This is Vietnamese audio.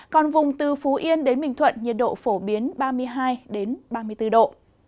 còn vùng từ phú yên đến bình thuận nhiệt độ phổ biến ba mươi hai ba mươi bốn độ